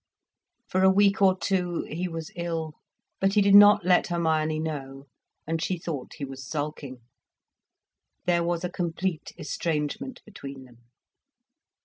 For a week or two he was ill, but he did not let Hermione know, and she thought he was sulking; there was a complete estrangement between them.